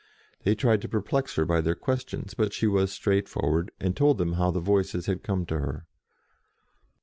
They tried to perplex her by their questions, but she was straightforward, and told them how the Voices had come to her.